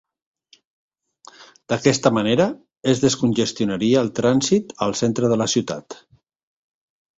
D'aquesta manera es descongestionaria el trànsit al centre de la ciutat.